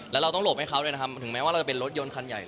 แล้วเราต้องหลบให้เขาด้วยนะครับถึงแม้ว่าเราจะเป็นรถยนต์คันใหญ่